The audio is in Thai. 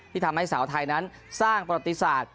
ทำให้สาวไทยนั้นสร้างประติศาสตร์